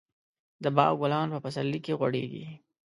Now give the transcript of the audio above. د باغ ګلان په پسرلي کې غوړېږي.